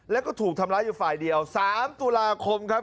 แล้วก็ถูกทำร้ายอยู่ฝ่ายเดียว๓ตุลาคมครับ